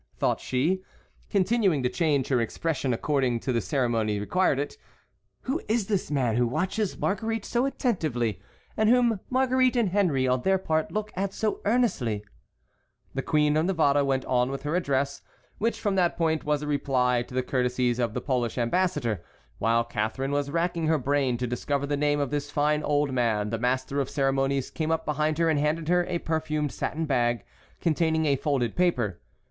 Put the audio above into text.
thought she, continuing to change her expression according as the ceremony required it. "Who is this man who watches Marguerite so attentively and whom Marguerite and Henry on their part look at so earnestly?" The Queen of Navarre went on with her address, which from that point was a reply to the courtesies of the Polish ambassador. While Catharine was racking her brain to discover the name of this fine old man the master of ceremonies came up behind her and handed her a perfumed satin bag containing a folded paper.